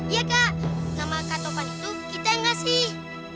iya kak nama kak topan itu kita yang kasih